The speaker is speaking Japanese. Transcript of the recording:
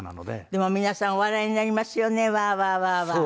でも皆さんお笑いになりますよねワーワーワーワー。